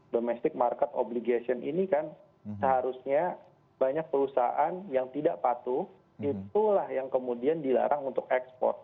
domestic market obligation ini kan seharusnya banyak perusahaan yang tidak patuh itulah yang kemudian dilarang untuk ekspor